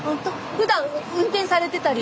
ふだん運転されてたり？